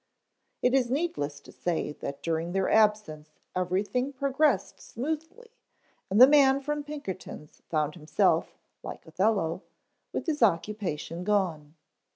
It is needless to say that during their absence everything progressed smoothly and the man from Pinkerton's found himself, like Othello, with his occupation gone.